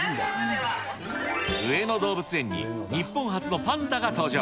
上野動物園に、日本初のパンダが登場。